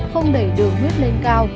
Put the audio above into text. không đẩy đường huyết lên cao